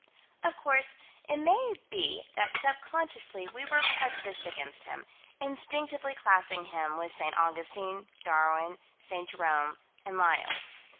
Of course it may be that sub consciously we were prejudiced against him, instinctively classing him with St. Augustine, Darwin, St. Jerome, and Lyell.